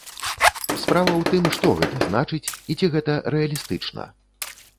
Справа ў тым, што гэта значыць і ці гэта рэалістычна?